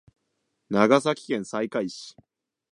長崎県西海市